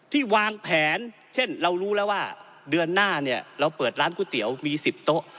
วางแผนเช่นเรารู้แล้วว่าเดือนหน้าเนี่ยเราเปิดร้านก๋วยเตี๋ยวมี๑๐โต๊ะ